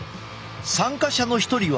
参加者の一人は。